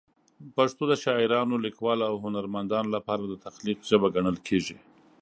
پښتو د شاعرانو، لیکوالو او هنرمندانو لپاره د تخلیق ژبه ګڼل کېږي.